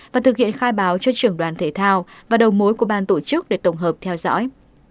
và thực hiện khai báo cho trưởng đoàn thể thao và đầu mối của ban tổ chức để tổng hợp theo dõi